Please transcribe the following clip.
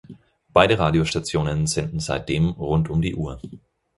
Beide Radiostationen senden seitdem rund um die Uhr.